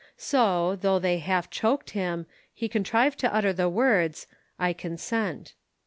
So, though they half choked him, he contrived to utter the words, "I consent."